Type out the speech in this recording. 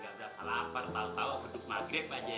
hehehe gak berasa lapar tau tau gedug maghrib aja